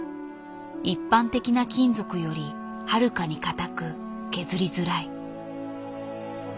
一般的な金属よりはるかに硬く削りづらい。